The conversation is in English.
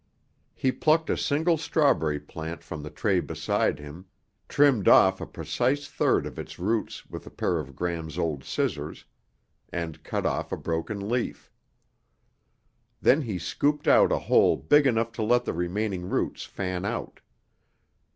He plucked a single strawberry plant from the tray beside him, trimmed off a precise third of its roots with a pair of Gram's old scissors and cut off a broken leaf. Then he scooped out a hole big enough to let the remaining roots fan out.